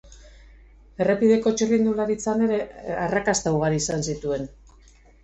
Errepideko txirrindularitzan ere arrakasta ugari izan zituen.